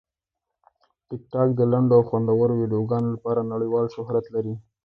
ټیکټاک د لنډو او خوندورو ویډیوګانو لپاره نړیوال شهرت لري.